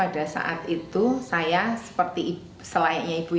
dia tidak tahu